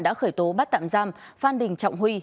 đã khởi tố bắt tạm giam phan đình trọng huy